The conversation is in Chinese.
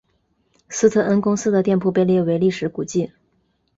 斯特恩公司的店铺被列为历史古迹。